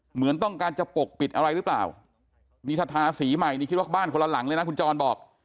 เหมือนต้องการจะปกปิดอะไรหรือเปล่านี่ถ้าทาสีใหม่นี่คิดว่าบ้านคนละหลังเลยนะคุณจรบอก